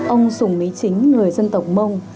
ông sùng lý chính người dân tộc mông